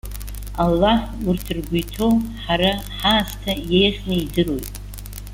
Аллаҳ урҭ ргәы иҭоу ҳара ҳаасҭа иеиӷьны идыруеит.